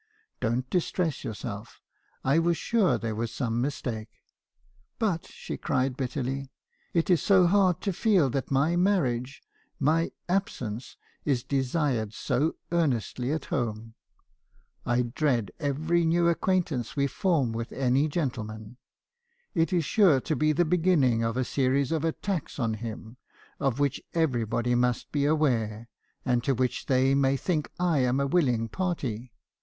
'Don't distress yourself. I was sure there was some mistake.' "But she cried bitterly. " 'It is so hard to feel that my marriage — my absence — is desired so earnestly at home. I dread every new acquaintance we form with any gentleman. It is sure to be the beginning of a Lime Leigh. 20 306 me. haebison's confessions. series of attacks on him , of which everybody must be aware, and to which they may think I am a willing party.